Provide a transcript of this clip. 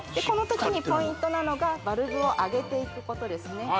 この時にポイントなのがバルブを上げていくことですね